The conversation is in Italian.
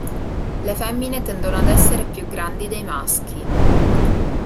Le femmine tendono ad essere più grandi dei maschi.